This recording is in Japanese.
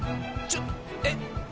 ちょっえっ